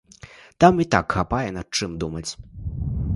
Там і так хапае над чым думаць.